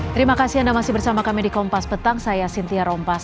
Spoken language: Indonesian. terima kasih anda masih bersama kami di kompas petang saya sintia rompas